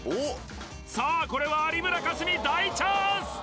さあこれは有村架純大チャンス！